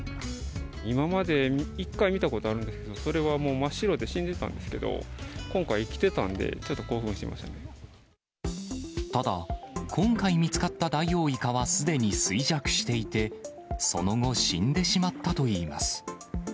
今まで１回見たことあるんですけど、それはもう真っ白で死んでたんですけど、今回、生きてたんで、ただ、今回見つかったダイオウイカはすでに衰弱していて、その後、死んでしまったといいます。